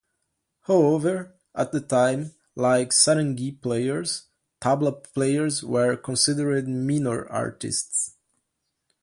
However, at the time, like sarangi players, tabla players were considered minor artists.